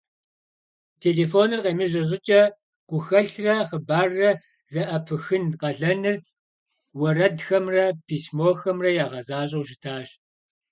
Телефоныр къемыжьэ щӀыкӀэ, гухэлърэ хъыбаррэ зэӀэпыхын къалэныр уэрэдхэмрэ письмохэмрэ ягъэзащӀэу щытащ.